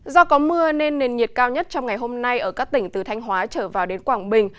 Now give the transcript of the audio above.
do có mưa nên nền nhiệt cao nhất trong ngày hôm nay ở các tỉnh từ thanh hóa trở vào đến quảng bình